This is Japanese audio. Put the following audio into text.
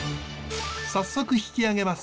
早速引き揚げます。